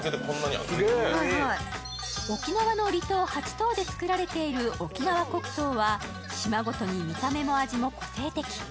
沖縄の離島８島で作られている沖縄黒糖は島ごとに見た目も味も個性的。